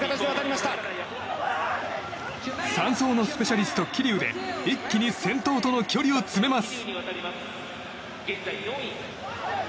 ３走のスペシャリスト桐生が一気に先頭との距離を詰めます。